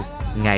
ngày một đông dần